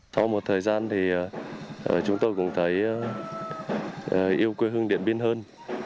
sau một thời gian thì chúng tôi cũng thấy yêu quê hương điện biên hơn